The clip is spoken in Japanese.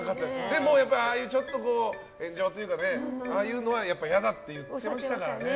でもやっぱりああいう炎上というかああいうのは嫌だって言ってましたからね。